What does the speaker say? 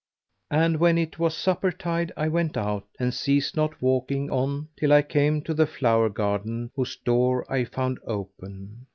And when it was supper tide I went out and ceased not walking on till I came to the flower garden whose door I found open.